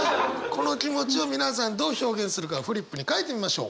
この気持ちを皆さんどう表現するかフリップに書いてみましょう。